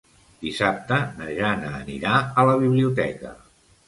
Dissabte na Jana anirà a la biblioteca.